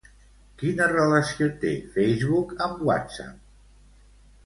Quina relació té Facebook amb WhatsApp?